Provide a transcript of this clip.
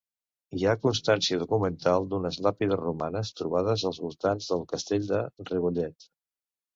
Hi ha constància documental d'unes làpides romanes trobades als voltants del castell de Rebollet.